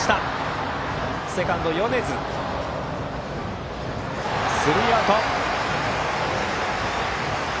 セカンド、米津がつかんでスリーアウト。